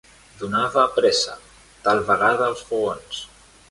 Donava pressa, tal vegada als fogons.